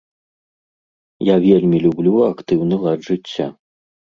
Я вельмі люблю актыўны лад жыцця.